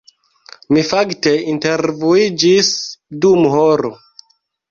Mi fakte intervuiĝis dum horo